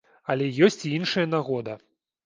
Але ёсць і іншая нагода!